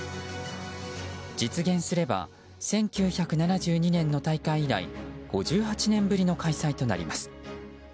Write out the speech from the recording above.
実現すれば１９７２年の大会以来５８年ぶりの開催となります。